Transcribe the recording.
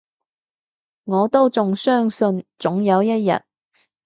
我都仲相信，總有一日